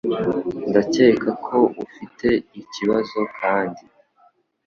Ndakeka ko ufite ikibazo kandi.